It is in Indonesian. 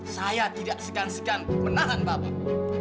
saya tidak segan segan menahan bapak